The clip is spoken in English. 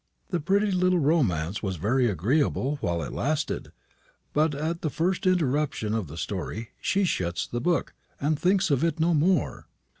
The pretty little romance was very agreeable while it lasted; but at the first interruption of the story she shuts the book, and thinks of it no more.